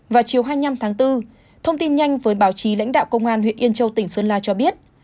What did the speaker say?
vào chiều hai mươi năm tháng bốn thông tin nhanh với báo chí lãnh đạo công an huyện yên châu tỉnh sơn la cho biết